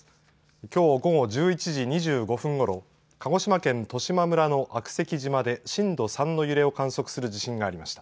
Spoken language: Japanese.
きょう午後１１時２５分ごろ鹿児島県十島村の悪石島で震度３の揺れを観測する地震がありました。